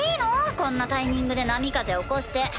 こんなタイミングで波風起こして。